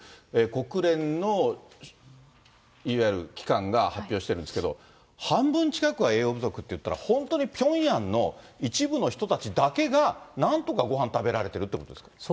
国連のいわゆる機関が発表してるんですけど、半分近くは栄養不足っていったら、本当にピョンヤンの一部の人たちだけが、なんとかごはん食べられてるってことですか？